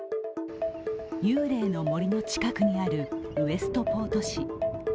幽霊の森の近くにあるウエストポート市。